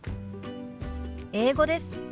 英語です。